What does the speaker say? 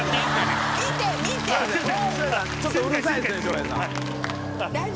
ちょっとうるさいですね